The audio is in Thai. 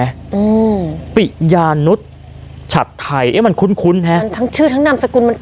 อืมปิยานุษย์ชัดไทยเอ๊ะมันคุ้นคุ้นฮะมันทั้งชื่อทั้งนามสกุลมัน